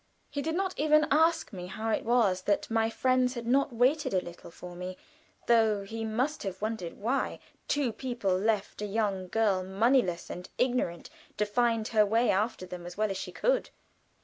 He did not even ask me how it was that my friends had not waited a little for me, though he must have wondered why two people left a young girl, moneyless and ignorant, to find her way after them as well as she could.